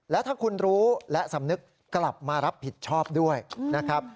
และถ้าคุณรู้และสำนึกกลับมารับผิดชอบด้วยนะครับ